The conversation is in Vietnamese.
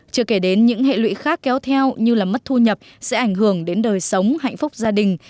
chưa kể đến những hệ lụy khác kéo theo như mất thu nhập sẽ ảnh hưởng đến đời sống hạnh phúc gia đình